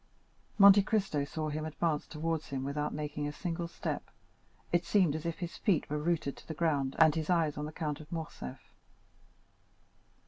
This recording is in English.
Monte Cristo saw him advance towards him without making a single step. It seemed as if his feet were rooted to the ground, and his eyes on the Count of Morcerf.